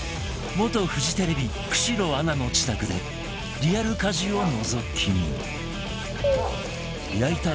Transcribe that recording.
元フジテレビ久代アナの自宅でリアル家事をのぞき見